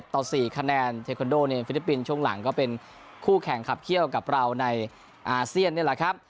ต่อ๔คะแนนเทคอนโดในฟิลิปปินส์ช่วงหลังก็เป็นคู่แข่งขับเขี้ยวกับเราในอาเซียนนี่แหละครับ